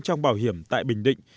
trong bảo hiểm tại bình định